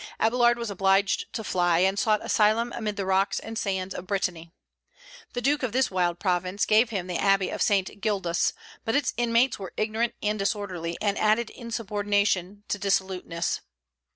Abélard was obliged to fly, and sought an asylum amid the rocks and sands of Brittany. The Duke of this wild province gave him the abbey of St. Gildas; but its inmates were ignorant and disorderly, and added insubordination to dissoluteness.